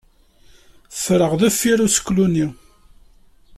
Ffreɣ deffir useklu-nni.